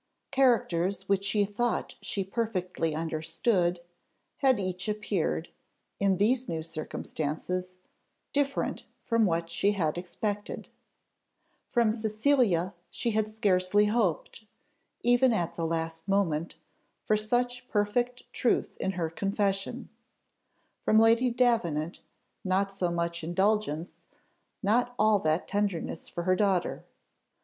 Characters which she thought she perfectly understood, had each appeared, in these new circumstances, different from what she had expected. From Cecilia she had scarcely hoped, even at the last moment, for such perfect truth in her confession. From Lady Davenant not so much indulgence, not all that tenderness for her daughter.